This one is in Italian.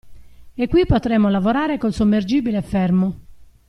E qui potremo lavorare col sommergibile fermo.